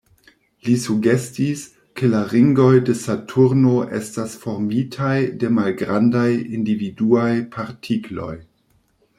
Li sugestis, ke la ringoj de Saturno estas formitaj de malgrandaj individuaj partikloj.